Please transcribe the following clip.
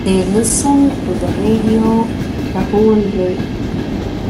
They listened to the radio the whole way.